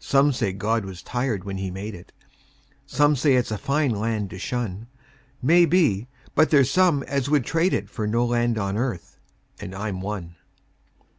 Some say God was tired when He made it; Some say it's a fine land to shun; Maybe; but there's some as would trade it For no land on earth and I'm one.